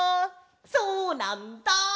そうなんだ！